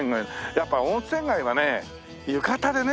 やっぱ温泉街はね浴衣でね